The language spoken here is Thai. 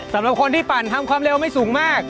สำหรับคนที่ปั่นทำความเร็วไม่สูงมาก